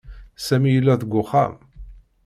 Sami yella deg uxxam.